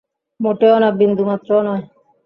মোটেও না, বিন্দুমাত্রও নয়।